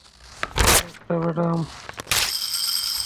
আরেকটা, ম্যাডাম?